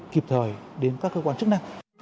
kịp thời đến các cơ quan chức năng